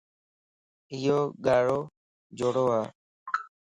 ايو ڳارو جوڙو ا